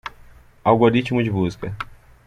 Algoritmo de busca.